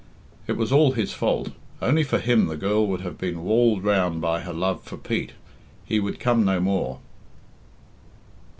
It was all his fault. Only for him the girl would have been walled round by her love for Pete. He would come no more.